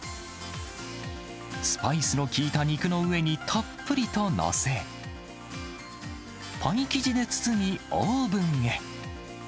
スパイスの効いた肉の上にたっぷりと載せ、パイ生地で包みオーブンへ。